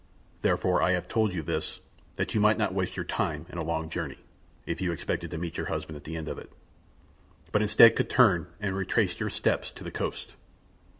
Therefore I have told you this that you might not waste your time in a long journey if you expected to meet your husband at the end of it; but instead could turn and retrace your steps to the coast."